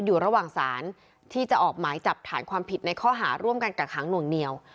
อยู่ระหว่างศาลที่จะออกหมายจับฐานความผิดในข้อหาร่วมกันกักหางหน่วงเหนียว